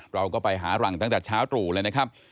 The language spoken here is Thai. เราก็ไปหาหลังตั้งแต่เช้าตรู่เลยนะครับ